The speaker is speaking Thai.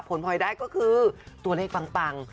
พลอยได้ก็คือตัวเลขปัง